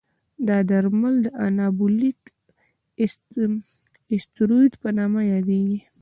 دا درمل د انابولیک استروئید په نامه یادېږي.